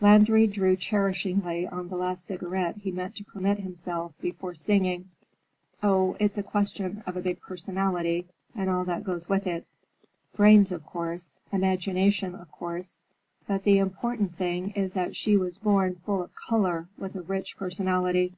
Landry drew cherishingly on the last cigarette he meant to permit himself before singing. "Oh, it's a question of a big personality—and all that goes with it. Brains, of course. Imagination, of course. But the important thing is that she was born full of color, with a rich personality.